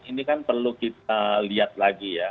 ini kan perlu kita lihat lagi ya